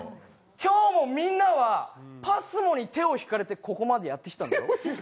今日もみんなはＰＡＳＭＯに手を引かれてここまでやってきたの。